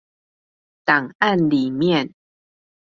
檔案裡面